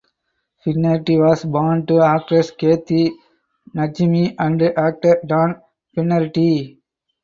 Finnerty was born to actress Kathy Najimy and actor Dan Finnerty.